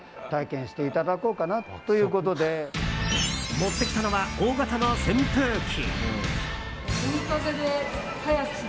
持ってきたのは大型の扇風機。